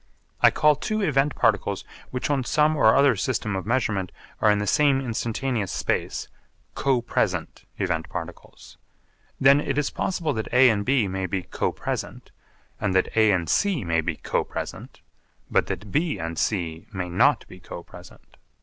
I call two event particles which on some or other system of measurement are in the same instantaneous space 'co present' event particles. Then it is possible that A and B may be co present, and that A and C may be co present, but that B and C may not be co present.